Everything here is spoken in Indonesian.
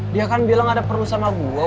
dia kan bilang ada perlu sama gue